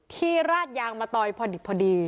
ที่ราดยางมาตอยพอดี